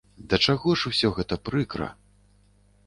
Да чаго ж усё гэта прыкра.